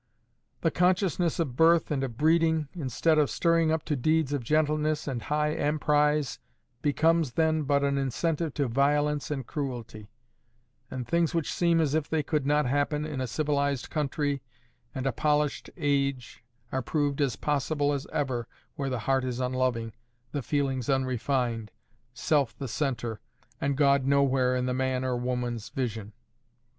The consciousness of birth and of breeding, instead of stirring up to deeds of gentleness and "high emprise," becomes then but an incentive to violence and cruelty; and things which seem as if they could not happen in a civilized country and a polished age, are proved as possible as ever where the heart is unloving, the feelings unrefined, self the centre, and God nowhere in the man or woman's vision.